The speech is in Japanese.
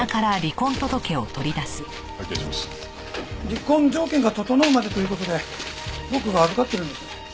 離婚条件が整うまでという事で僕が預かっているんです。